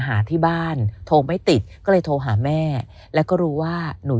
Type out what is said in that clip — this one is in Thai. หาที่บ้านโทรไม่ติดก็เลยโทรหาแม่แล้วก็รู้ว่าหนู